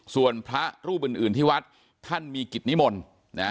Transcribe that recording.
ส่วนพระรูปอื่นอื่นที่วัดท่านมีกิจนิมนต์นะ